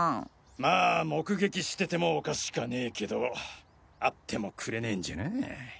まあ目撃しててもおかしかねけど会ってもくれねえんじゃなぁ。